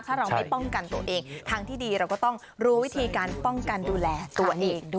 ถ้าเราไม่ป้องกันตัวเองทางที่ดีเราก็ต้องรู้วิธีการป้องกันดูแลตัวเองด้วย